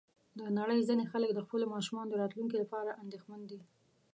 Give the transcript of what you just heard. د نړۍ ځینې خلک د خپلو ماشومانو د راتلونکي لپاره اندېښمن دي.